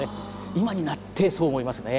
今になってそう思いますね。